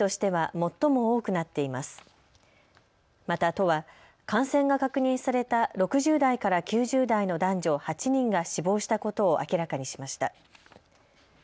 また、都は感染が確認された６０代から９０代の男女８人が死亡したことを明らかにしました。